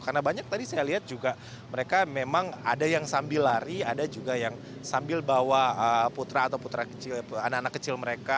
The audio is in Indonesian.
karena banyak tadi saya lihat juga mereka memang ada yang sambil lari ada juga yang sambil bawa putra atau putra anak anak kecil mereka